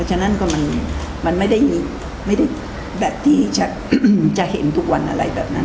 ฉะนั้นก็มันไม่ได้แบบที่จะเห็นทุกวันอะไรแบบนั้น